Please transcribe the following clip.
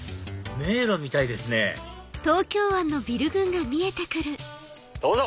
迷路みたいですねどうぞ！